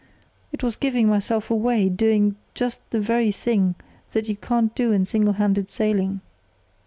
It was giving myself away, doing just the very thing that you can't do in single handed sailing.